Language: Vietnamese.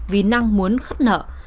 vì năng muốn khắt nợ